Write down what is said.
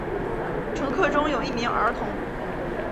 乘客中有一名儿童。